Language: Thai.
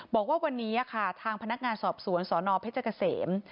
บอกว่าวันนี้ค่ะทางพนักงานสอบสวนสนเพชรเกษม